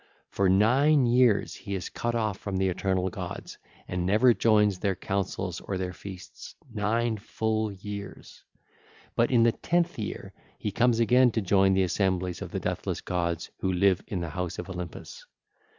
For nine years he is cut off from the eternal gods and never joins their councils of their feasts, nine full years. But in the tenth year he comes again to join the assemblies of the deathless gods who live in the house of Olympus.